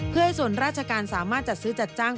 เพื่อให้ส่วนราชการสามารถจัดซื้อจัดจ้าง